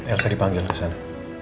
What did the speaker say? elsa dipanggil kesana